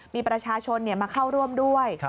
มีประชาชนมาเข้าร่วมด้วย